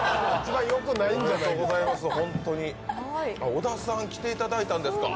小田さん来ていただいたんですか？